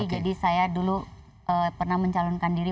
jadi saya dulu pernah mencalonkan diri